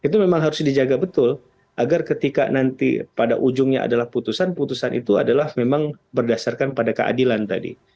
itu memang harus dijaga betul agar ketika nanti pada ujungnya adalah putusan putusan itu adalah memang berdasarkan pada keadilan tadi